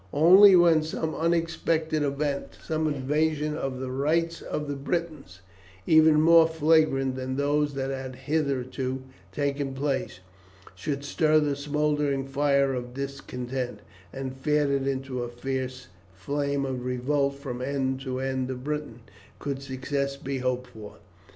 Only when some unexpected event, some invasion of the rights of the Britons even more flagrant than those that had hitherto taken place, should stir the smouldering fire of discontent, and fan it into a fierce flame of revolt from end to end of Britain, could success be hoped for.